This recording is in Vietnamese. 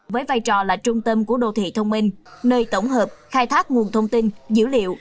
với vai trò là trung tâm của đô thị thông minh nơi tổng hợp khai thác nguồn thông tin dữ liệu